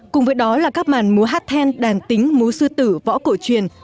cùng với đó là các màn múa hát then đàn tính múa sư tử võ cổ truyền